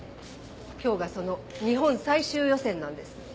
今日がその日本最終予選なんです。